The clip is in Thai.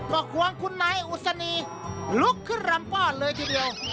ก็ควงคุณนายอุศนีลุกขึ้นรำป้อนเลยทีเดียว